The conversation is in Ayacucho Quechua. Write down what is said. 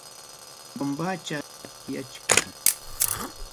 Bombacha toqiachkan.